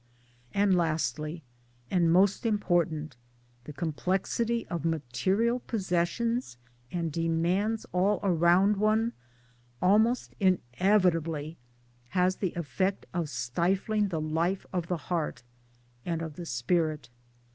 And lastly, and most important, the complexity of material possessions and demands all around one almost inevitably has the effect of stifling the life of the heart and of the spirit.